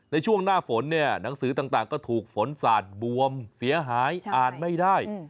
ในช่วงหน้าฝนเนี่ยหนังสือต่างก็ถูกฝนสาดบวมเสียหายอ่านไม่ได้